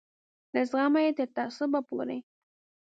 له زغمه یې تر تعصبه پورې.